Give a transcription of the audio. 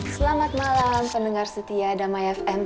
selamat malam pendengar setia damai fm